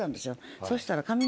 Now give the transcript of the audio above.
そしたら。